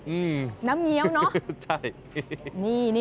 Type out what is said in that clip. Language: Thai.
อื้มใช่